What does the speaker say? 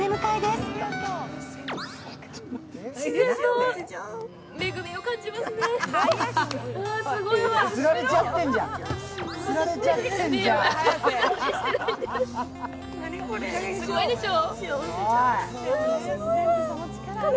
すごいでしょ。